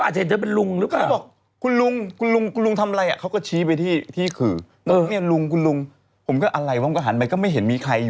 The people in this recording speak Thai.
เสร็จผมก็เก็บความแแท้ต้อนใจ